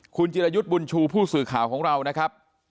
คุณจิรยุทธ์บุญชูผู้สื่อข่าวของเรานะครับ